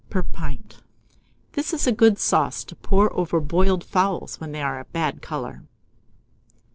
per pint. This is a good sauce to pour over boiled fowls when they are a bad colour.